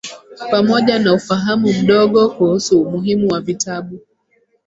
Pamoja na ufahamu mdogo kuhusu umuhimu wa vitabu.